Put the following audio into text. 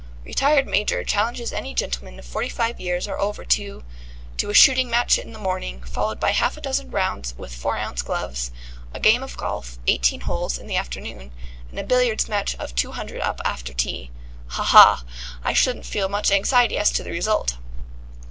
'Retired Major challenges any gentleman of forty five years or over to to a shooting match in the morning, followed by half a dozen rounds with four ounce gloves, a game of golf, eighteen holes, in the afternoon, and a billiards match of two hundred up after tea.' Ha! ha! I shouldn't feel much anxiety as to the result."